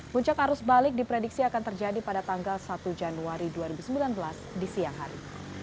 puncak arus balik diprediksi akan terjadi pada tanggal satu januari dua ribu sembilan belas di siang hari